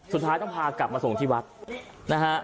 สุดท้ายต้องพากลับมาส่งที่วัดนะฮะ